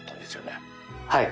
はい。